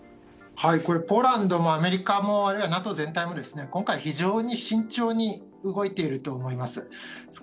ポーランドもアメリカもあるいはＮＡＴＯ全体も今回非常に慎重に動いていると思います。